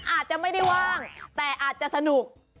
อาจจะไม่ได้ว่างแต่อาจจะสนุก